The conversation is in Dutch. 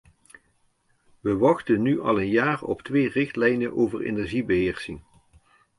We wachten nu al een jaar op twee richtlijnen over energiebeheersing.